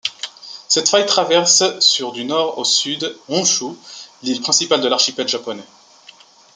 Cette faille traverse, sur du nord au sud, Honshū, l'île principale de l'archipel japonais.